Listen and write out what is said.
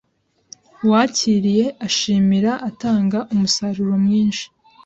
Uwakiriye ashimira atanga umusaruro mwinshi